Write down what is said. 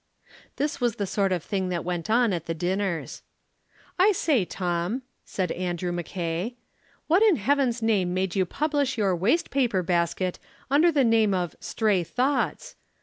This was the sort of thing that went on at the dinners: "I say, Tom," said Andrew Mackay, "what in Heaven's name made you publish your waste paper basket under the name of 'Stray Thoughts?'